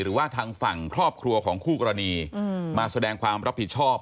หรือว่าทางฝั่งครอบครัวของคู่กรณีมาแสดงความรับผิดชอบ